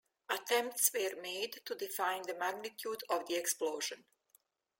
Attempts were made to define the magnitude of the explosion.